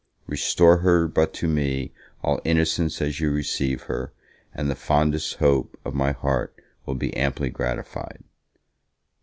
Restore her but to me all innocence as you receive her, and the fondest hope of my heart will be amply gratified.